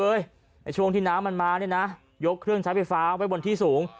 ไอ้ช่วงที่น้ำมันมาเนี่ยนะยกเครื่องใช้ไฟฟ้าไว้บนที่สูง